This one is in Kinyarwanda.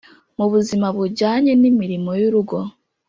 mu buzima bujyanye n’imirimo y’urugo